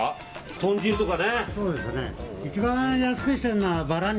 豚汁とかね。